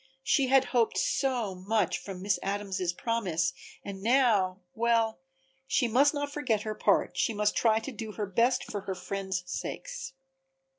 She had hoped so much from Miss Adams' promise and now well, she must not forget her part, she must try to do her best for her friends' sakes.